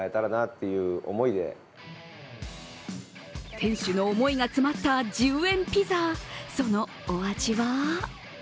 店主の思いが詰まった１０円ピザ、そのお味は？